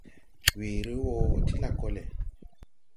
Weere wɔ ti lakɔlɛ.